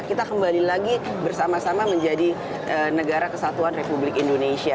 kita kembali lagi bersama sama menjadi negara kesatuan republik indonesia